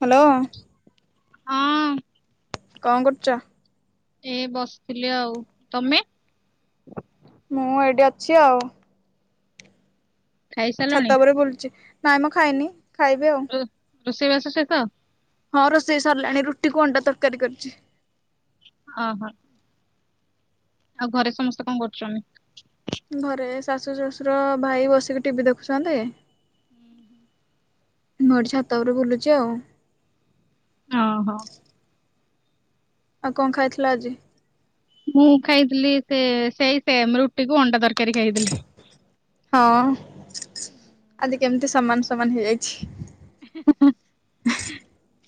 Hello ହଁ କଣ କରୁଛ ଏ ବସିଥିଲି ଆଉ ତମେ ମୁଁ ଏଇଠି ଅଛି ଆଉ ଖାଇସାରିଲଣି? ଛାତ ଉପରେ ବୁଲୁଛି ନାଇଁମ ଖାଇନି ଖାଇବି ଆଉ ରୋ- ରୋଷେଇବାସ ଶେଷ ହଁ ରୋଷେଇ ସାରିଲାଣି ରୁଟି କୁ ଅଣ୍ଡା ତରକାରୀ କରିୁଛି ହଁ ହଁ ଆଉ ଘରେ ସମସ୍ତେ କଣ କରୁଛନ୍ତି ଘରେ ଶାଶୁ ଶ୍ୱଶୁର ଭାଇ ବସିକି ଟିଭିି ଦେଖୁଛନ୍ତି ମୁଁ ଏଇଟି ଛାତ ଉପରେ ବୁଲୁଛି ଆଉ ଓ ହୋ ଆଉ କଣ ଖାଇଥିଲ ଆଜି ମୁଁ ଖାଇଥିଲି ସେ ସେଇ ସେମ୍ ରୁଟିକୁ ଅଣ୍ଡା ତରକାରୀ ଖାଇଥିଲି ହଁ ଆଜି କେମିତି ସମାନ ସମାନ ହେଇଯାଇଛି [inaudible]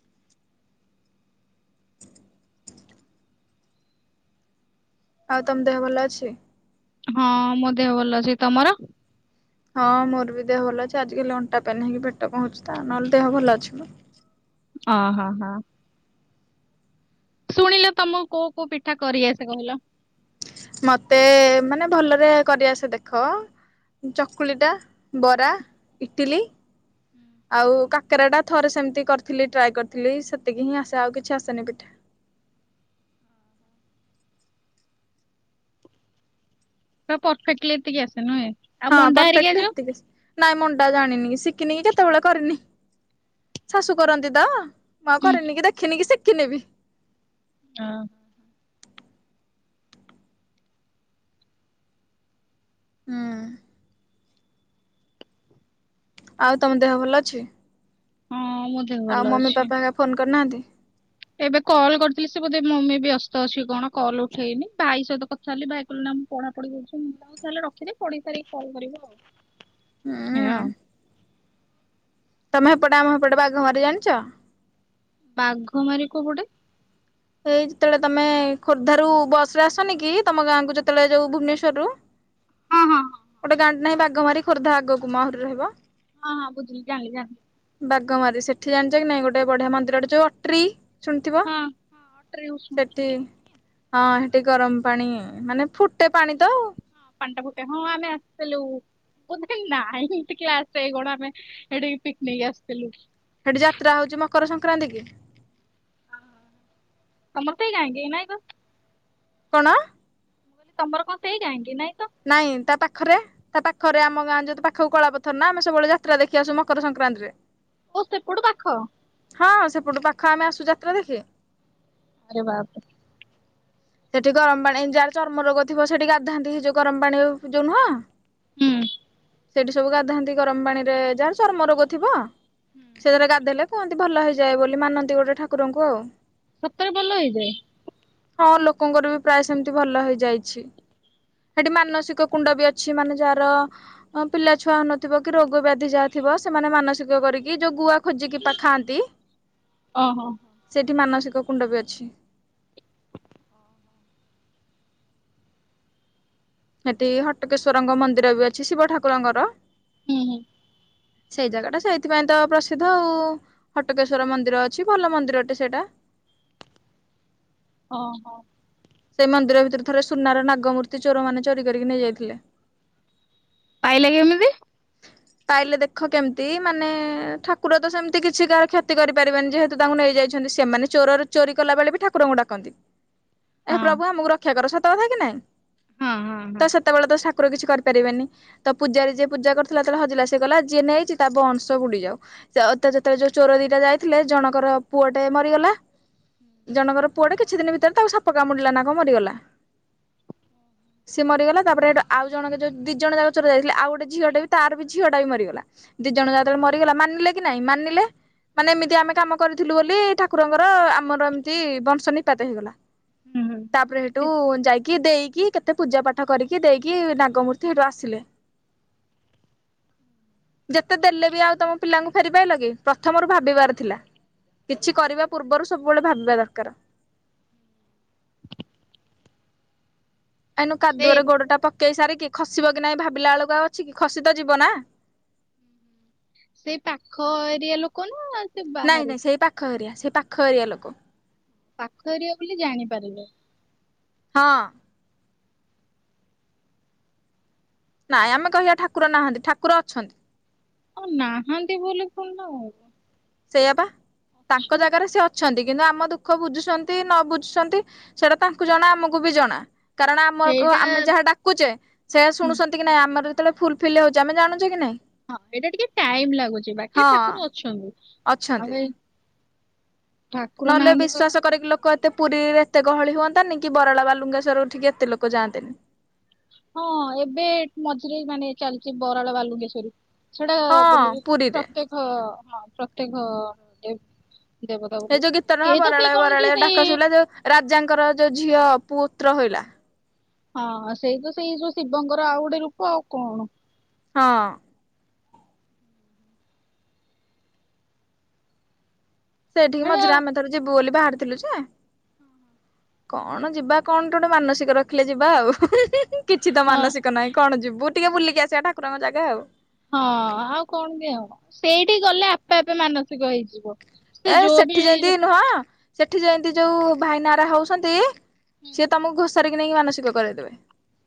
ଆଉ ତମ ଦେହ ଭଲ ଅଛି ହଁ ମୋ ଦେହ ଭଲ ଅଛି ତମର ହଁ ମୋର ବି ଦେହ ଭଲ ଅଛି ଆଜିକାଲି ଅଣ୍ଟା ପେନ୍ ହେଇକି ପେଟ କଣ ହଉଛି ତ ନହେଲେ ଦେହ ଭଲ ଅଛି ମ ହ ହ ହଁ ଶୁଣିଲେ ତମକୁ କୋଉ କୋଉ ପିଠା କରି ଆସେ କହିଲ ମତେ ମାନେ ଭଲରେ କରିଆସେ ଦେଖ ଚକୁଳିଟା ବରା ଇଟିଲି ଆଉ କା କାକରା ଟା ଥରେ ସେମିତି କରିଥିଲି ଟ୍ରାଏ କରିଥିଲି ସେତିକି ହିଁ ଆସେ ଆଉ କିଛି ଆସେନି ପିଠା ପୁରା ପରଫେକ୍ଟଲି ଏତିକି ଆସେ ନୁହେଁ ଆଉ ହଁ ମଣ୍ଡା ହେରିକା ପରଫେକ୍ଟଲି ଯୋଉ ଏତିକି ନାଇଁ ମୁଣ୍ଡା ଜାଣିନି ଶିଖିନି କି କେତେବେଳେ କରିନି ଶାଶୁ କରନ୍ତି ତ ମୁଁ ଆଉ ହୁଁ। କରିନି କି ଦେଖିନି କି ଶିଖିନି ବି ହଁ ହୁଁ ଆଉ ତମ ଦେହ ଭଲ ଅଛି ହଁ ମୋ ଦେହ ଆଉ ଭଲ ମମି ଅଛି। ବାପା ଫୋନ କରିନାହାନ୍ତି ଏବେ କଲ୍ କରିଥିଲି ସେ ବୋଧେ ମମି ବ୍ୟସ୍ତ ଅଛି କଣ କଲ୍ ଉଠେଇନି ଭାଇ ସହିତ କଥା ହେଲି ଭାଇ କହିଲ ନା ପଢାପଢି କରୁଛି ତାହେଲେ ରଖିଦେ ପଢ଼ିସାରିକି କଲ୍ କରିବୁ ଆଉ ସେୟା ହୁଁ ଆଉ ତମେ ହେପଟେ ଆମ ହେପଟେ ବାଘମାରି ଜାଣିଛ ବାଘମାରି କୋଉ ପଟେ ଏଇ ଯେତେବେଳେ ତମେ ଖୋର୍ଦ୍ଧା ରୁ ବସ ରେ ଆସନି କି ତମ ଗାଁ କୁ ଯେତେବେଳେ ଯୋଉ ଭୁବନେଶ୍ୱର ରୁ ହଁ ହଁ ହଁ ଗୋଟେ ଗାଁଟେ ନାହିଁ ବାଘମାରି ଖୋର୍ଦ୍ଧା ଆଗକୁ ମ ଆହୁରି ରହିବ ହଁ ବୁଝିଲି ଜାଣିଲି ଜାଣିଲି ବାଘମାରି ସେଠି ଜାଣିଛ କି ନାଇଁ ଗୋଟେ ବଢିଆ ମନ୍ଦିରଟେ ଯୋଉ ଅଟ୍ରି ଶୁଣିଥିବ ହଁ ହଁ ଅଟୋରେ ୟୁଜ୍ ସେଠି କରୁଛନ୍ତି। ହଁ ସେଠି ଗରମ ପାଣି ମାନେ ଫୁଟେ ପାଣି ତ ଆଉ ହଁ ପାଣି ଟା ଫୁଟେ ହଁ ଆମେ ଆସିଥିଲୁ ବୋଧେ ନାଇନ୍ଥ କ୍ଲାସ୍ ରେ ଯାଇକି କଣ ଆମେ ଏଠିକି ପିକନିକ ଆସିଥିଲୁ ସେଠି ଯାତ୍ରା ହଉଛି ମକର ସଂକ୍ରାନ୍ତି କି? ତମର ତ ଏଇ ଗାଁ କେ ନାଇ ତ। କଣ? ତମର କଣ ସେଇ ଗାଁ କେ ନାଇଁ। ତ? ନାଇଁ ତା ପାଖରେ ତା ପାଖରେ ଆମ ଗାଁ ଯ ପାଖକୁ କଳାପଥର ନା ଆମେ ସବୁବେଳେ ଯାତ୍ରା ଦେଖି ଆସୁ ମକର ସଂକ ଦାଣ୍ଡରେ ଓ ସେପଟୁ ପାଖ। ହଁ ସେପଟୁ ପାଖ ଆମେ ଆସୁ ଯାତ୍ରା ଦେଖି। ଆରେ ବାପ୍ ରେ। ସେଠି ଗରମ ପାଣି ଯାହାର ଚର୍ମ ରୋଗ ଥିବ ସେଠି ଗାଧାନ୍ତି ହେଇଯୋଉ ଗରମ ପାଣି ଯୋଉ ନୁହଁ। ହୁଁ। ସେଇଠି ସବୁ ଗାଧାନ୍ତି ଗରମ ପାଣି ରେ ଯାହାହାର ଚର୍ମ ରୋଗ ଥିବ ସେ‌ରେ ଗାଧେଇଲେ କୁହନ୍ତ ଦି ଭଲ ହେଇଯାଏ ବୋଲି ମାନନ୍ତି ଗୋଟେ ଠାକୁରଙ୍କୁ ଆଉ। ସତରେ ଭଲ ହେଇଯାଏ। ହଁ ଲୋକଙ୍କର ବି ପ୍ରାୟ ସେମିତି ଭଲ ହେଇଯାଇଛି। ସେଠି ମାନସିକ କୁଣ୍ଡ ବି ଅଛି ମାନେ ଯାହାର ପିଲା ଛୁଆ ହଉନଥିବ କି ରୋଗ ବ୍ୟାଧି ଯାହା ଥି ଥିବ ସେମାନେ ମାନସିକ କରିକି ଯୋଉ ଗୁଆ ଖୋଜିକି ପା ଖାଆନ୍ତି। ଓହୋ ସେଠି ମାନସିକ କୁଣ୍ଡ ବି ଅଛି। ହେଠି ହଟକେଶ୍ଵରଙ୍କ ମନ୍ଦିର ବି ଅଛି ଶିବ ଠାକୁରଙ୍କର। ହୁଁ ହୁଁ। ସେଇ ଜାଗା ଟା ସେଇଥିପାଇଁ ତ ପ୍ରସିଦ୍ଧ ଆଉ ହଟକେଶ୍ଵର ମନ୍ଦିର ଅଛି ଭଲ ମନ୍ଦିର ଅଟେ ସେଇଟା। ହଁ ହଁ। ସେ ମନ୍ଦିର ଭିତରେ ଥରେ ସୁନାର ନାଗମୂର୍ତ୍ତି ଚୋର ମାନେ ଚୋରି କରିକି ନେଇଯାଇଥିଲେ। ପାଇଲେ କେମିତି। ପାଇଲେ ଦେଖ କେମିତି ମାନେ ଠାକୁର ତ ସେମତି କିଛି କାହାର କ୍ଷତି କରିପାରିବେନି ଯେହେତୁ ତାଙ୍କୁ ନେ ହେଇ ଯାଇଛନ୍ତି ସେମାନେ ଚୋରର ଚୋରି କଲା ବେଳେ ବି ଠାକୁରଙ୍କୁ ଡାକନ୍ତି। ଏ ହଁ ପ୍ରଭୁ ଆମକୁ ରକ୍ଷା କର ସତ କଥା କି ନାଇଁ ହଁ ହଁ ତ ହଁ ସେତେବେଳେ ତ ସା କୁର କିଛି କରିପାରିବେନି ତ ପୂଜାରେ ଯେ ପୂଜା କର ଥିଲା ଯେତେବେଳେ ହଜିଲା ସେଇ ଗଲା ଯିଏ ନେଇଛି ତା ବଂଶ ବୁଡି ଯାଉ ତ ଯେତେଯଉ ଚୋର ଦିଟା ଯାଇଥିଲେ ଜଣଙ୍କର ପୁଅଟେ ମରିଗଲା ଜଣଙ୍କର ପୁଅଟେ କିଛି ଦିନ ଭିତରେ ତାକୁ ସାପ କାମୁଡ଼ିଲା ନା କଣ ମରିଗଲା। ସିଏ ମରିଗଲା ତାପରେ ଏଇଟା ଆଉ ଜଣକ ଯୋଉ ଦି ଜଣ ଯାକ ଚୋର ଯାଇଥିଲେ ଆଉ ଗୋଟେ ଝିଅଟେ ବି ତାର ବି ଝିଅ ଟା ବି ମରିଗଲା ଦି ଜଣ ଯତେବେଳେ ମରିଗଲା ମାନିଲେ କି ନାଇଁ ମାନିଲେ। ମାନେ ଏମିତି ଆମେ କାମ କରିଥିଲୁ ବୋଲି ଠାକୁରଙ୍କର ଆମର ଏମିତି ବଂଶ ନିପାତ ହେଇଗଲା। ହୁଁ ତାପରେ ହେଠୁ ହୁଁ। ଯାଇକି ଦେଇ କି କେତେ ପୂଜା ପାଠ କରିକି ଦେଇକି ନାଗମୂର୍ତ୍ତି ସେଇଠୁ ଆସିଲେ। ଯେତେ ଦେଲେ ବି ଆଉ ତମ ପିଲାଙ୍କୁ ଫେରି ପାଇଲ କି ପ୍ରଥମରୁ ଭାବିବାର ଥିଲା। କିଛି କରିବା ପୂର୍ବରୁ ସବୁବେଳେ ଭାବିବା ଦରକାର। ଏଇନୁ‌ ସେ କାଦୁଅରେ ଗୋଡ଼ଟା ପକେଇ ସାରିକି ଖସିବ କି ନାହିଁ ଭାବିଲା ବେଳକୁ ଅଛି କି ଖସି ତ ଯିବ ନା। ସେଇ ପାଖ ଏରିଆ ଲୋକ ନା ସେ ନାଇଁ ବାହାରୁ? ନାଇଁ ସେଇ ପାଖ ଏରିଆ ସେଇ ପାଖ ଏରିଆ ଲୋକ। ପାଖ ଏରିଆ ବୋଲି ଜାଣିପାରିଲ। ହଁ। ନାଇଁ ଆମେ କହିବା ଠାକୁର ନାହାନ୍ତି ଠାକୁର ଅଛନ୍ତି। ଆଉ ନାହାନ୍ତି ବୋଲି କୁ ନା ଆଉ ସେଆପା ତାଙ୍କ ଜାଗାରେ ସେ ଅଛନ୍ତି। କିନ୍ତୁ ଆମ ଦୁଃଖ ବୁଝୁଛନ୍ତି ନ ବୁଝୁଛନ୍ତି ସେଟା ତାଙ୍କୁ ଜଣା ଆମକୁ ବି ଜଣା। କାରଣ ଆମରକୁ ସେଇଟା ଆମେ ଯାହା ଡାକୁଚେ ସେ ହୁଁ ଶୁଣୁଛନ୍ତି କି ନାଇଁ ଆମର ଫୁଲଫିଲ୍ ହଉଛି ଆମେ ଜାଣୁଛେ କି ନାଇଁ? ହଁ ଏଇଟା ଟିକେ ଟାଇମ ଲାଗୁଚି ବାକି ହଁ ଠାକୁର ଅଛନ୍ତି। ଆଉ ଅଛନ୍ତି। ଏଇ ଠାକୁର ନହେଲେ ନାହାନ୍ତି ତ ବିଶ୍ଵାସ କରିକି ଲୋକ ଏତେ ପୁରୀରେ ଏତେ ଗହଳି ହୁଅନ୍ତା ତା ନି କି ବରାଳା ବାଲୁଙ୍ଗେଶ୍ୱର ଉଠିକି ଏତେ ଲୋକ ଯାଆନ୍ତେ ନି। ହଁ ଏବେ ମଝିରେ ମାନେ ଚାଲିଛି ବରାଳ ବାଲୁଙ୍ଗେଶ୍ରୀ। ସେଟା ବ ହଁ ପୁରୀରେ ପ୍ରତ୍ୟେକ ହଁ ପ୍ରତ୍ୟକ ଏ ଯୋଉ ଗୀତ ନହ ବରାଳ ବରାଳି ଡାକ ସେଇ ଶୁଗଲା ଯୋଉ ରାଜାଙ୍କର ଯୋଉ ଝିଅ ପୁତ୍ର ହୋଇଲା। ହଁ ସେଇ ତ ସେଇ ଯୋଉ ଶିବଙ୍କର ଆଉ ଗୋଟେ ରୂପ ଆଉ କଣ? ହଁ। ସେଇଠିକି ହେଟା ମଝିରେ ଆମେ ଥର ଯିବୁ ବୋଲି ବାହାରିଥିଲୁ ଯେ କଣ ଯିବା କଣ ଗୋଟେ ମାନସିକ ରଖିଲେ ଯିବା ଆଉ। କିଛି ତ ହଁ ମାନସିକ ନାହିଁ କଣ ଯିବୁ ଟିକେ ବୁଲିକି ଆସିବା ଠାକୁରଙ୍କ ଜାଗା ଆଉ। ହଁ ଆଉ କଣ ଦିଅ ସେଇଠି ଗଲେ ଆପେ ଆପେ ମାନସିକ ହେଇଯିବ। ସେ ଏ ଯୋଉ ବି ସେଠି ହୁଁ ଯେମତି ହୁଁ ନୁହଁ ସେଠି ଯେମତି ଯୋଉ ଭାଇନା ଅରା ହଉଛନ୍ତି ସିଏ ହୁଁ, ତମକୁ ଘୋସାରିକି ନେଇକି ମାନସିକ କରାଇଦେବେ।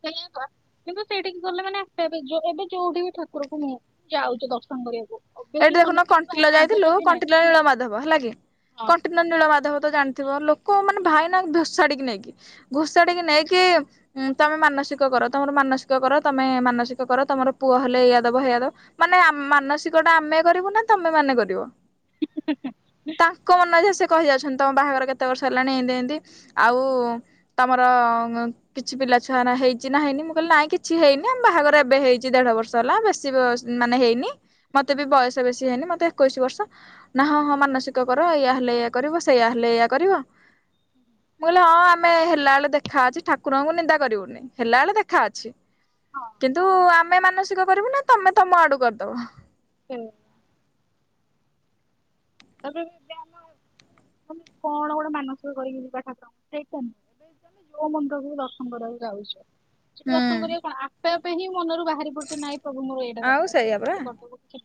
ସେଇଆ କର। କିନ୍ତୁ ସେଇଠିକି ଗଲେ ମାନେ ଆ ଏବେ ଏବେ ଯୋଉଠି ବି ଠାକୁରକୁ ଯାଉଛୁ ଦର୍ଶନ କରିବାକୁ। ଏଇଠି ଅବିଅସଲି ଦେଖୁନ ମନରେ କିଛି କଣ୍ଟିଲ ଯାଇଥିଲୁ ମାଗୁଚ କି ନାଇଁ କଣ୍ଟିଲ ନୀଳମାଧବ ହେଲା କି। ହଁ କଣ୍ଟିନ ନୀଳ ମାଧବ ତ ଜାଣିଥିବ ଲୋକ ମାନେ ଭାଇ ନା ଘୋଷାଡିକି ନେଇକି ଘୋଷାଡିକି ନେଇକି ତମେ ମାନସିକ କର ତମର ମାନସିକ କର କର ତମେ ମାନସିକ କର ତମର ପୁଅ ହେଲେ ଏଇଆ ଦବ ହେଇଆ ଦବ ମାନେ ମାନସିକ ଟ ଆମେ କରିବୁ ନା ତମେ ମାନେ କରିବ ତାଙ୍କ ମନ ଇଚ୍ଛା ସେ କହି ଯାଉଛନ୍ତି ତମ ବାହାଘର କେତେ ବର୍ଷ ହେଲାଣି ଏନ୍ତି ଏନ୍ତି ଆଉ ତମର କିଛି ପିଲା ପିଲା ଛୁଆ ହେଇଛି ନା ହେି ମୁଁ କହିଲି ନାଇଁ କିଛି ହେଇନି ଆମ ବାଘର ଏବେ ହେଇଛି ଦେଢ ବର୍ଷ ହେଲା ବି ମାନୁଛି। ହେଇନି। ମତେ ବି ବୟସ ବେଶୀ ହେଇନି ମତେ ଏକୋଇଶି ବର୍ଷ ନା ହଁ ହଁ ମାନସିକ କର ଇୟା ହେଲେ ଇ କରିବ ସେଇୟା ହେଲେ ଏଇୟା କରିବ। [inaudible] ମୁଁ କହିଲି ହଁ ଆମେ ହେଲା ବେଳେ ଦେଖା ଅଛି ଠାକୁରଙ୍କୁ ନିନ୍ଦା କରିବୁନି ହେଲା ବେଳେ ଦେଖା ଅଛି। ହଁ କିନ୍ତୁ ଆମେ ମାନସିକ କରିବୁ ନା ତମେ ତମ ଆଡୁ କରିଦବ? ହୁଁ। ତମ ମାନେ କଣ କଣ ମାନସିକ କରିକି ଯିବା ଠାରଙ୍କୁ ସେଇ ତ ନୁ ମେ ଯଉ ମନ୍ଦିରକୁ ଦର୍ଶନ କରିବାକୁ ଯାଉଛ ସେଠି ହୁଁ ଦର୍ଶନ କରିବାକୁ କଣ ଆପେ ଆପେ ହିଁ ମନରୁ ବା ବାହାରି ପଡୁଛି ନାଇଁ ପ୍ରଭୁ ମୋର ଏଇଟା ଆଉ ଦରକାର ସେଇଆ ପରା ଏମତି କରିଦବମତି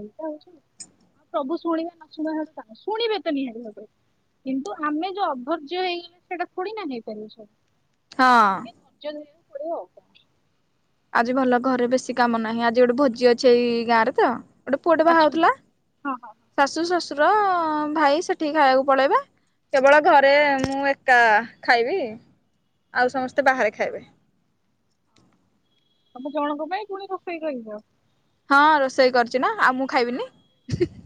ଏଇ ହଉ ସବୁ ଶୁଣିବେ ନ ଶୁଣ ଶୁଣିବେ ତ ନିହାତି ଭାବରେ। କିନ୍ତୁ ଆମେ ଯୋଉ ଅଭର୍ଯ୍ୟ୍ୟ ହେଇଗଲେ ସେଇଟା ପୁଣି ନା ହେଇପାରିଲୁ ସବୁ ହଁ। ଟିକେ ଧଜ୍ୟା ଧରିବାକୁ ପଡ଼ିବ ଆଉ ଆଜି ଭଲ ଘରେ ବେଶୀ କାମ ନାହିଁ ଆଜି ଗୋଟେ ଭୋଜି ଅଛି ଏଇ ଗାଁ ରେ ତ ଗୋଟେ ପୁଅଟେ ଆଚ୍ଛା ବାହାହୋଉଥିଲା ହଁ ହଁ ହଁ। ଶାଶୁ ଶଶୁର ଭାଇ ସେଠିକି ଖାଇବାକୁ ପଳେଇବେ। କେବଳ ଘରେ ମୁଁ ଏକା ଖାଇବି। ଆଉ ସମସ୍ତେ ବାହାରେ ଖାଇବେ। ତମେ ଜଣଙ୍କ ପାଇଁ ପୁଣି ରୋଷେଇ କରିବ? ହଁ ରୋଷେଇ କରୁଛି ନା ଆଉ ମୁଁ ଖାଇବିନି?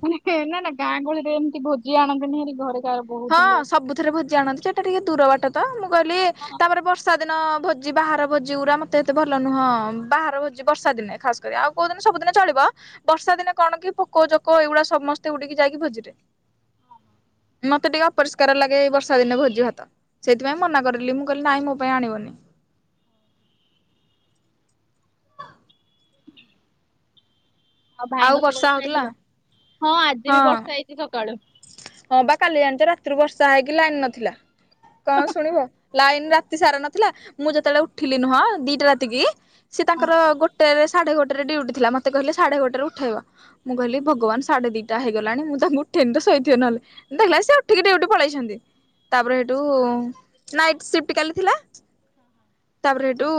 ମାନେ ନା ନା ଗାଁ ଗହଳିରେ ଏମିତି ଭୋଜି ଆଣନ୍ତେନି ହେରି ଘରେ କାହାର ବୋହୁ ଥିଲେ ହଁ ସବୁଥିରେ ଭୋଜି ଆଣନ୍ତି ସେଟା ଟିକେ ଦୂର ବାଟ ତ ମୁଁ କହିଲି ହଁ ହଁ ତାପରେ ବର୍ଷା ଦିନ ଭୋଜି ବାହାର ଭୋଜି ପୁରା ମତେ ଏତେ ଭଲ ନୁହଁ ବାହାର ଭୋଜି ବର୍ଷା ଦିନେ ଖାସ କରି ଆଉ କୋଉ ଦିନ ସବୁଦିନ ଚଳିବ। ବର୍ଷା ଦିନେ କଣ କି ପୋକ ଯୋକ ଏଇଗୁଡା ସମସ୍ତେ ଉଡିକି ଯାଇକି ଭୋଜିରେ। ହଁ। ମତେ ଟିକେ ଅପରିଷ୍କାର ଲାଗେ ଏଇ ବର୍ଷା ଦିନେ ଭୋଜି ଭାତ ସେଇଥିପାଇଁ ମନା କରିଲି ମୁଁ କହିଲି ନାଇଁ ମୋ ପାଇଁ ଆଣିବନି। [unintelligible] ଆଉ ଭାଇଙ୍କ ସହିତ ବର୍ଷା କଥା ହଉଥିଲା ହେଇଥିଲ। ହଁ ଆଜି ବି ବର୍ଷା ହେଇଛି ସକାଳୁ। ହଁ ବା କାଲି ଜାଣିଛ ରାତିରୁ ବର୍ଷା ହେଇକି ଲାଇନ ନଥିଲା କଣ ଶୁଣିବ ଲାଇନ ରା ତି ସାରା ନଥିଲା ମୁଁ ଯେତେବେଳେ ଉଠିଲି ନୁହଁ ଦିଟା ରାତିକି ସେ ହଁ। ତାଙ୍କର ଗୋଟେ ସାଢ଼େ ଗୋଟେରେ ଡିଉଟି ଥିଲା ମୋତେ କହିଲେ ସାଢ଼େ ଗୋଟେରେ ଉଠାଇବ। ମୁଁ କହିଲି ଭଗବାନ ସାଢ଼େ ଦିଟା ହେଇଗଲାଣି ମୁଁ ତାଙ୍କୁ ଠେନ ତ ଶୋଇଥିବେ ନହେଲେ ଦେଖିଲା ସେ ଉଠିକି ଡିଉଟି ପଳେଇଛନ୍ତି। ତାପରେ ଏଠୁ ନାଇଟ ସିଫ୍ଟ୍ କାଲି ଥିଲା। ତାପରେ ହେଠୁ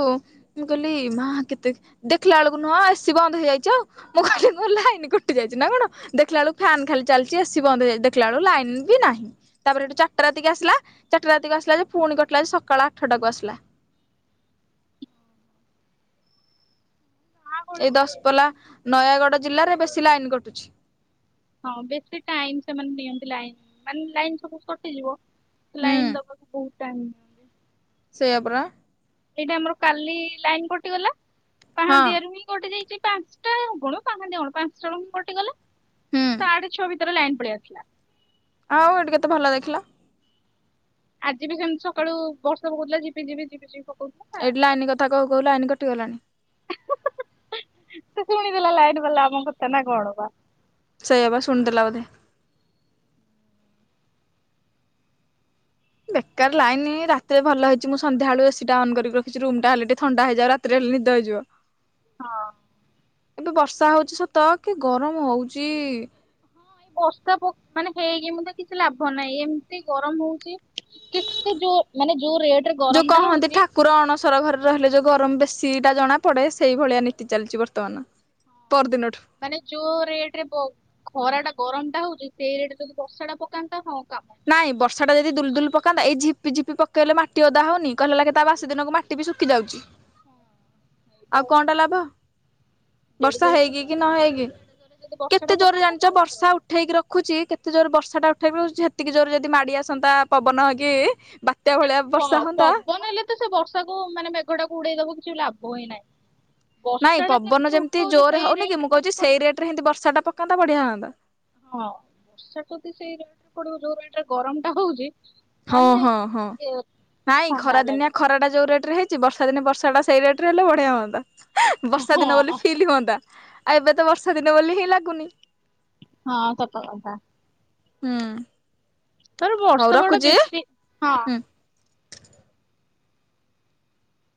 ମୁଁ କହିଲି ମା କେତେ ଦେଖିଲା ବେଳକୁ ନୁହଁ ଏସି ବନ୍ଦ ହେଇଯାଇଛି ଆଉ। ମୁଁ କହିଲି ମୋ ଲାଇନ କଟି ଯାଇଛି ନା କଣ ଦେଖିଲା ବେଳକୁ ଫ୍ୟାନ୍ ଖାଲି ଚାଲି ଚି ଏସି ହେଇଯାଈ ବନ୍ଦ ଦେଖା ବେଳୁ ଲାଇନ ବି ନାହିଁ ତାପରେ ଏଠୁ ଚାରଟା ରାତିକି ଆସିଲା ଚାରଟା ରାତିକୁ ଆସିଲା ଯେ ପୁଣି କ ସକାଳ ଆଠଟାକୁ ଆସିଲା। [unintelligible] ଗାଁ ଗହଳି ଏଇ ଗୁଡାକ ଦଶପଲା ଲାଇନ କଟିଦେଲେ ନୟାଗଡ ବେଶୀ ଜିଲ୍ଲାରେ ଟାଇମ୍ ବେଶୀ ଲାଇନ କଟୁଛି। ହଁ ବେଶୀ ଟାଇମ ସେମାନେ ନିଅନ୍ତି ଲାଇନ ମାନେ ଲାଇନ ସବୁ କଟିଯିବ ହୁଁ ଲାଇନ ଦବାକୁ ବହୁତ ଟାଇମ ସେୟା ପରା। ଏଇଟା ଆମର କାଲି ଲାଇନ କଟିଗଲା ହଁ ପାହାନ୍ତୀୟାରୁ ହିଁ କଟି ଯାଇଛି। ପାଞ୍ଚଟା ହଉ କଣ ପା କଣ ପାଞ୍ଚଟା ବେଳୁ କଟିଗଲା ହୁଁ ସାଢେ ଛଅ ଲାଇନ ପଳେଇ ଆସିଲା। ଆଉ ଏଠି କେତେ ଭଲ ଦେଖିଲ? ଆଜି ବି ସେମିତି ସକାଳୁ ବର୍ଷା ପୁକଉଥିଲା ଝିପି ଝିପି ଝିପି ଝି ଏଇଠି ଲାଇନ କଥା କହୁ କହୁ ଲାଇନ୍ କଟିଗଲାଣି। ଲା ଆମକୁ କୁତା ନା କଣ ବା। ସେୟାଵା ସୁଣିଦେଲା ବୋଧେ। ବେକାର ଲାଇନ ରାତିରେ ଭଲ ହେଇଛି ମୁଁ ସଧ୍ୟାବେଳୁ ଏସି ଟା ଅନ୍ କରିକି ରଖିଛି ରୁମ ଟା ହେଲେ ଟ ଥଣ୍ଡା ହେଇଯାଉ ରାତିରେ ନିଦ ହେଇଯିବ। ହଁ। କିନ୍ତୁ ବର୍ଷା ହଉଛି ସତ କି ଗରମ ହଉଚି। ହଁ ଏଇ ବର୍ଷା ପ ମାନେ ହେଇକି ମୁଁ ତ କିଛି ଲାଭ ନାହିଁ ଏମିତି ଗରମ ହଉଛି କେତେ ଯୋଉ ମାନେ ଯୋଉ ରେଟରେ ଯୋଉ ଗରମ ଟା କହନ୍ତି ହଉଛି ଠାକୁର ଅଣସର ଘରେ ରହିଲେ ଯୋଉ ଗରମ ବେଶୀ ଟା ଜଣା ପଡେ ସେଇ ଭଳିଆ ନୀତି ଚାଲିଛି ବର୍ତ୍ତମାନ ପରଦିନ ମାନେ ଯୋଉ ରେଟ ରେ ବ ଖରା ଟା ଗରମ ଟା ହଉଛି ସେଇ ରେଟରେ ଯଦି ବର୍ଷା ଟା ପକାନ୍ତା ହଁ। କାମ। ନାଇଁ ବର୍ଷା ଟା ଯଦି ଦୁଲୁଦୁଲୁ ପକାନ୍ତା ଏଇ ଝିପିଝିପି ପକେଇଲେ ମାଟି ଓଦା ହଉନି କହିଲେ ଲାଗ କି ତା ବାସି ଦିନକୁ ମାଟି ବି ଶୁଖି ଯାଉଛି। ହଁ। ଆଉ କଣଟା ଲାଭ। ଯେଡେ ବର୍ଷା ଜୋରେ ସେ ହେଇକି କି ଗରମ ନ ଟା ହଉଛି ହେଇକି। ସେଡେ ଜୋରେ ଯଦି ବର୍ଷା କେତେ ଟା ଜୋରରେ ପକାନ୍ତା ତା ଜାଣିଛ ଲାଭ ବର୍ଷା ଅଛି। ଉଠେଇକି ରଖୁଛି କେତେ ଜୋରେ ବର୍ଷା ଟା ସେ ସେତିକି ଜୋରରେ ଯଦି ମାଡି ଆସନ୍ତା ପବନ ହେକି ବା ନା ପ ପବନ ହେଲେ ତ ସେ ବର୍ଷାକୁ ମାନେ ମେଘ ଟାକୁ ଉଡେଇ ଦବ କିଛି ଲାଭ ହିଁ ନାହିଁ। ନାଇଁ ବର୍ଷା ଟା ପବନ କେମିତି ଯେମିତି ଉଠଉଛି ଜୋରରେ ସେଇ ହଉନି କି ରେଟରେ ମୁଁ ଯଦି କହୁଛି ସେଇ ପଡିବ ରେଟ ହେନ୍ତି ବର୍ଷାଟା ପକାନ୍ତା ବଢ଼ିଆ ହଅନ୍ତା। ହଁ ବର୍ଷା ଯଦି ସେଇ ରେଟେରେ ପଡିବ ଯୋଉ ରେଟରେ ଗରମ ଟା ହଉଛି। ହଁ ତାହେଲେ ହଁ ହଁ ଯାଇକି ଟିକେ ନାଇଁ ଥଣ୍ଡା ଖରା ଦିନିଆ ଲାଗିବ। ଖରା ଟା ଯୋଉ ରେଟ ରେ ହେଇ ଚି ବର୍ଷା ଦିନେ ବର୍ଷା ଟା ସେଇ ରେଟ ରେ ହେଲେ ବଢିଆ ହୁଅନ୍ତା ବର୍ଷା ଦିନ ବୋଲି ହଁ ଫିଲ୍ ହୁଅନ୍ତା। ଆଉ ଏବେ ତ ବର୍ଷା ଦିନ ବୋଲି ହିଁ ଲାଗୁନି। ହଁ ସତକଥା। ହୁଁ। [inaudible] ର ହଉ ବର୍ଷା ବଡ ରଖୁଛି ବେଶୀ ହଁ ହୁଁ।